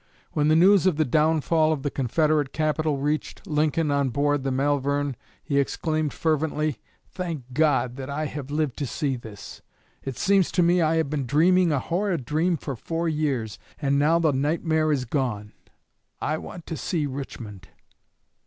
When the news of the downfall of the Confederate capital reached Lincoln on board the "Malvern," he exclaimed fervently: "Thank God that I have lived to see this! It seems to me I have been dreaming a horrid dream for four years, and now the nightmare is gone. _I want to see Richmond.